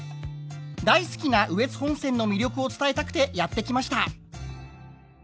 大好きな羽越本線の魅力を伝えたくてやって来ました。